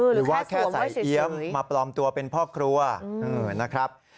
หรือว่าแค่ใส่เอี๊ยมมาปลอมตัวเป็นพ่อครัวนะครับ